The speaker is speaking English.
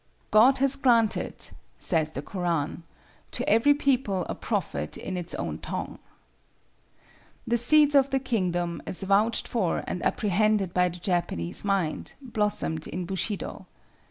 "God has granted," says the Koran, "to every people a prophet in its own tongue." The seeds of the Kingdom, as vouched for and apprehended by the Japanese mind, blossomed in Bushido.